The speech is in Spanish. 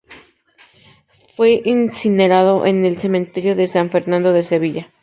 Fue incinerado en el Cementerio de San Fernando de Sevilla.